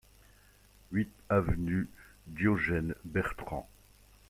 huit avenue Diogène Bertrand